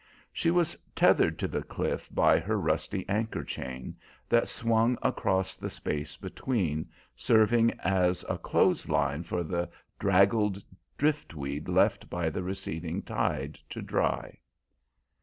She was tethered to the cliff by her rusty anchor chain that swung across the space between, serving as a clothes line for the draggled driftweed left by the receding tide to dry.